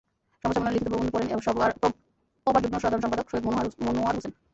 সংবাদ সম্মেলনে লিখিত প্রবন্ধ পড়েন পবার যুগ্ম সাধারণ সম্পাদক সৈয়দ মনোয়ার হোসেন।